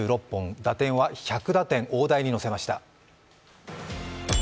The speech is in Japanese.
打点は１００打点、大台に乗せました。